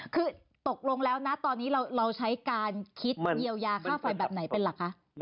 คือตกลงแล้วนะตอนนี้เราใช้การคิดเยียวยาค่าไฟแบบไหนเป็นหลักคะ